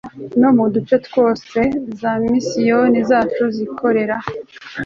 no mu duce twose za misiyoni zacu zikorera